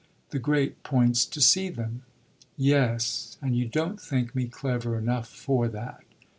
The great point's to see them." "Yes; and you don't think me clever enough for that."